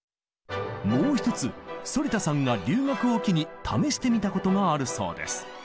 もう一つ反田さんが留学を機に試してみたことがあるそうです。